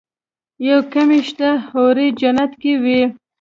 يو کمی شته حورې جنت کې وي.